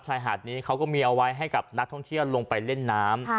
ชายหาดนี้เขาก็มีเอาไว้ให้กับนักท่องเที่ยวลงไปเล่นน้ำ